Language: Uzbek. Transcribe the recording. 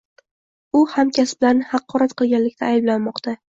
U hamkasblarini haqorat qilganlikda ayblanmoqda